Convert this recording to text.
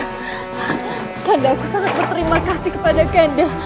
akanda aku sangat berterima kasih kepada akanda